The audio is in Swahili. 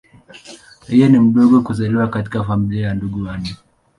Yeye ni mdogo kuzaliwa katika familia ya ndugu wanne.